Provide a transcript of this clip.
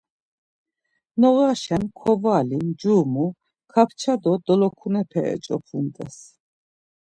Noğaşen kovali, mcumu, kapça do dolokunepe eç̌op̌umt̆es.